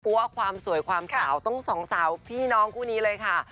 เพราะว่าความสวยความสาวต้องสองสาวพี่น้องคู่นี้เลยค่ะ